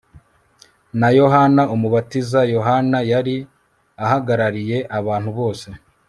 na Yohana Umubatiza Yohana yari ahagarariye abantu bose